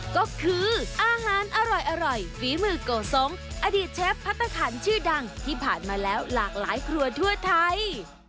ก็คืออาหารอร่อยฝีมือโกสงอดีตเชฟพัฒนาขันชื่อดังที่ผ่านมาแล้วหลากหลายครัวทั่วไทย